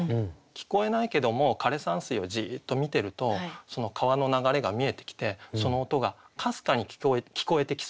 聞こえないけども枯山水をじっと見てるとその川の流れが見えてきてその音がかすかに聞こえてきそうだなと。